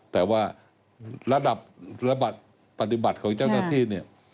แต่ว่าระดับปฏิบัติของเจ้าหน้าที่เนี่ย